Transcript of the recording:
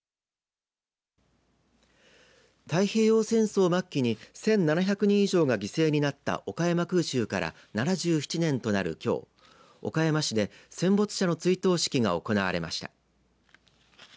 太平洋戦争末期に１７００人以上が犠牲になった岡山空襲から７７年となるきょう岡山市で戦没者の追悼式が行われました。